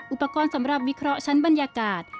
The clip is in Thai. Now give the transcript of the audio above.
อุปกรณ์สำหรับวิเคราะห์ชั้นบรรยากาศ